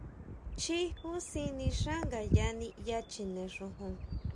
Chjií jusin nixá ngayá niʼya chjine xojon.